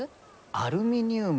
アルミニウム。